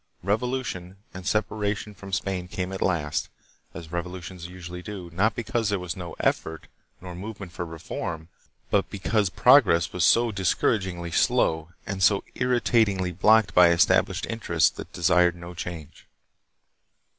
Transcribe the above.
Revolution and separation from Spain came at last, as revolutions usually do, not because there was no effort nor movement for reform, but because progress was so discouragingly slow and so irritatingly blocked by estab lished interests that desired no change.